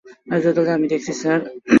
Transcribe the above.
আমি দেখছি, স্যার।